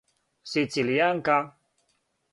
сицилијанка